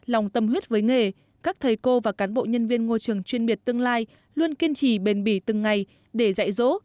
lòng tâm huyết với nghề các thầy cô và cán bộ nhân viên ngôi trường chuyên biệt tương lai luôn kiên trì bền bỉ từng ngày để dạy dỗ